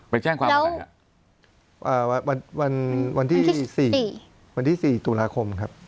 ไปแจ้งความว่าไงครับวันที่๔ตุลาคมครับ